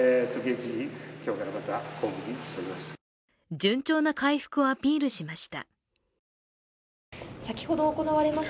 順調な回復をアピールしました。